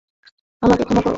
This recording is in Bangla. আমাকে ক্ষমা করো?